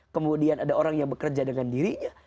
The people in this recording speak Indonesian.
kemudian ada orang yang bekerja dengan dirinya